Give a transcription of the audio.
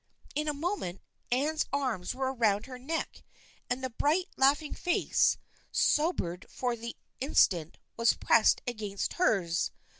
In a moment Anne's arms were around her neck and the bright, laughing face, sobered for the in stant, was pressed against hers.